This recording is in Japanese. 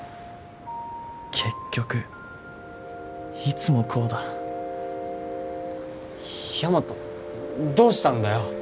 結局いつもこうだヤマトどうしたんだよ